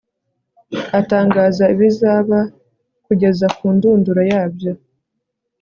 atangaza ibizaba kugeza ku ndunduro yabyo